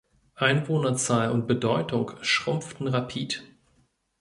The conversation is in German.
Einwohnerzahl und Bedeutung schrumpften rapid.